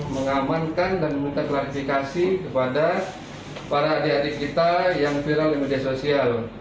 mengamankan dan meminta klarifikasi kepada para adik adik kita yang viral di media sosial